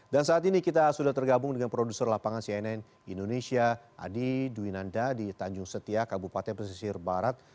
dan saat ini kita sudah tergabung dengan produser lapangan cnn indonesia adi duinanda di tanjung setia kabupaten persisir barat